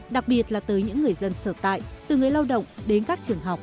đặc biệt là tới những người dân sở tại từ người lao động đến các trường học